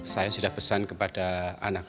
saya sudah pesan kepada anak